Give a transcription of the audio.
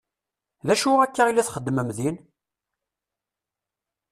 D acu akka i la txeddmem din?